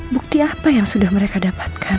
bukti apa yang sudah mereka dapatkan